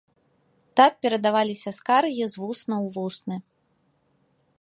Так перадаваліся скаргі з вуснаў у вусны.